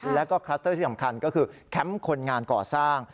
แล้วก็คลัสเตอร์ที่สำคัญก็คือแคมป์คนงานก่อสร้าง